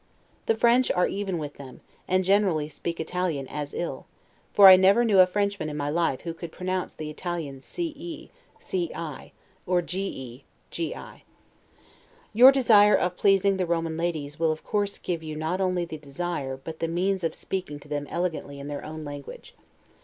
The French are even with them, and generally speak Italian as ill; for I never knew a Frenchman in my life who could pronounce the Italian ce, ci, or ge, gi. Your desire of pleasing the Roman ladies will of course give you not only the desire, but the means of speaking to them elegantly in their own language.